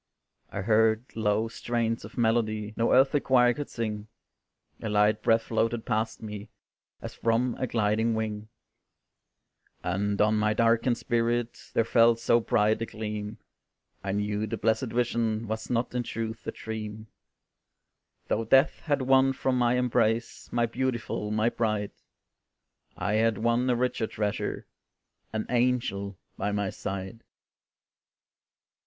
I heard low strains of melody No earthly choir could sing, A light breath floated past me, As from a gliding wing; And on my darkened spirit There fell so bright a gleam, I knew the blessed vision Was not in truth a dream; Though death had won from my embrace, My beautiful, my bride, I had won a richer treasure, An angel by my side.